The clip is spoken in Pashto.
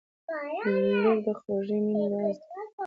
• لور د خوږې مینې راز دی.